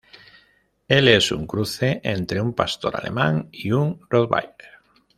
Él es un cruce entre un Pastor Alemán y un Rottweiler.